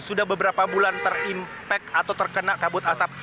sudah beberapa bulan terimpak atau terkena kabut asap